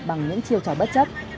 bằng những chiêu trò bất chấp